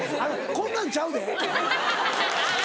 こんなんちゃうで。なぁ。